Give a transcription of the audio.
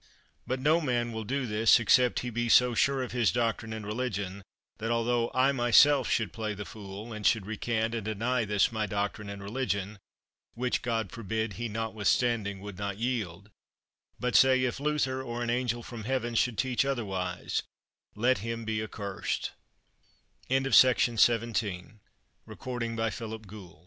But no man will do this, except he be so sure of his doctrine and religion, that, although I myself should play the fool, and should recant and deny this my doctrine and religion, which God forbid, he notwithstanding would not yield, but say, if Luther, or an angel from heaven, should teach otherwise, "Let him be accursed." OF IMPERIAL DIETS. _Of Imperial Diets and Assemblies in Ca